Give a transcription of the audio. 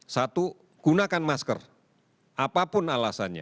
satu gunakan masker apapun alasannya